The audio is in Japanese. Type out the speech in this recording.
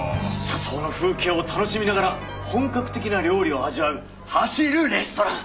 車窓の風景を楽しみながら本格的な料理を味わう走るレストラン。